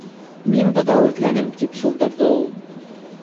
- Мин быҙау эҙләнем, - тип шылдырҙы ул.